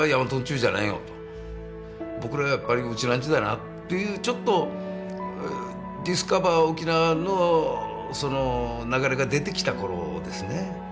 僕らはやっぱりウチナーンチュだなっていうちょっとディスカバー沖縄の流れが出てきた頃ですね。